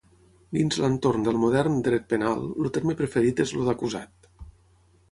Dins l'entorn del modern dret penal, el terme preferit és el d'acusat.